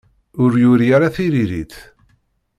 Ur yuri ara tiririt.